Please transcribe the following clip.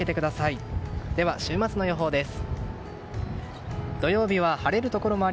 それでは週末の予報です。